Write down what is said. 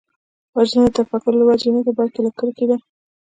وژنه د تفکر له وجې نه ده، بلکې له کرکې ده